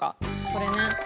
これね。